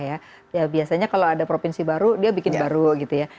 ya biasanya kalau ada provinsi baru dia bikin baru gitu ya